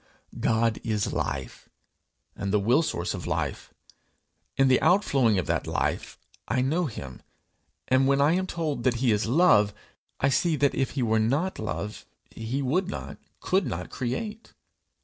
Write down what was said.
God is life, and the will source of life. In the outflowing of that life, I know him; and when I am told that he is love, I see that if he were not love he would not, could not create.